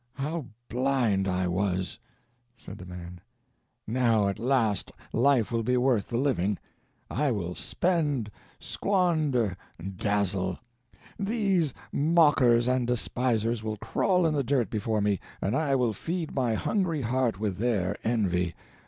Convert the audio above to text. How blind I was!" said the man. "Now, at last, life will be worth the living. I will spend, squander, dazzle. These mockers and despisers will crawl in the dirt before me, and I will feed my hungry heart with their envy.